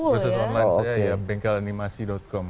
kursus online saya ya bengkelanimasi com